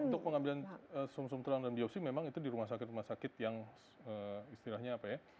untuk pengambilan sum sum tulang dan biopsi memang itu di rumah sakit rumah sakit yang istilahnya apa ya